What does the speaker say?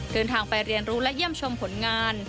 เดินทางไปเรียนรู้และเยี่ยมชมผลงาน